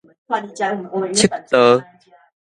赤道